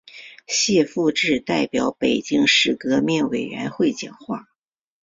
谢富治代表北京市革命委员会讲话。